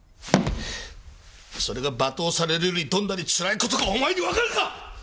それが罵倒されるよりどんなにつらい事かお前にわかるか！？